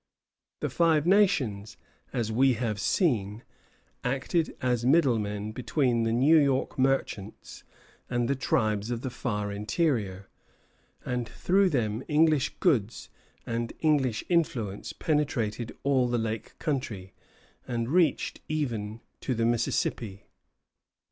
The Five Nations, as we have seen, acted as middlemen between the New York merchants and the tribes of the far interior, and through them English goods and English influence penetrated all the lake country, and reached even to the Mississippi.